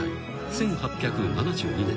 １８７２年］